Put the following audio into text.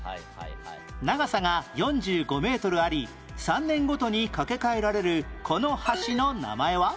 長さが４５メートルあり３年ごとに架け替えられるこの橋の名前は？